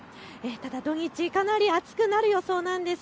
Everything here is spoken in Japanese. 土日かなり暑くなる予想なんです。